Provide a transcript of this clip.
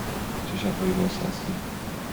چه شب هایی باز هستید؟